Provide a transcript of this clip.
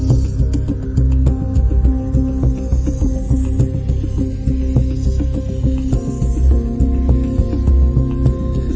โอเคโอเคโอเคโอเค